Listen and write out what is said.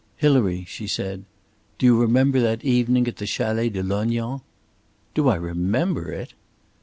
"Hilary," she said, "you remember that evening at the Chalet de Lognan?" "Do I remember it?"